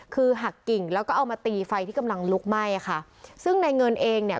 คือหักกิ่งแล้วก็เอามาตีไฟที่กำลังลุกไหม้อ่ะค่ะซึ่งในเงินเองเนี่ย